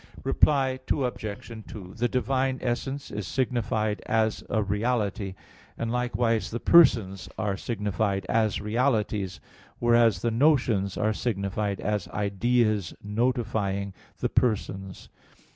Reply Obj. 2: The divine essence is signified as a reality; and likewise the persons are signified as realities; whereas the notions are signified as ideas notifying the persons.